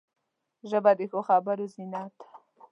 ژبه د ښو خبرو زینت ده